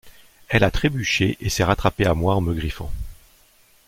Elle a trébuché et s'est rattrapée à moi en me griffant.